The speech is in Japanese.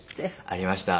ありました。